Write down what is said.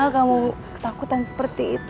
kamu ketakutan seperti itu